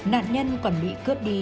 nạn nhân còn bị cướp đi